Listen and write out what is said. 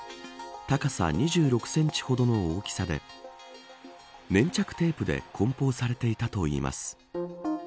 高さ２６センチほどの大きさで粘着テープで梱包されていたといいます。